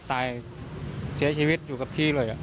ตายเสียชีวิตอยู่กับพี่นี้เลย